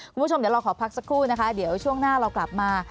คุณผู้ชมเดี๋ยวเราขอพักสักครู่นะคะเดี๋ยวช่วงหน้าเรากลับมา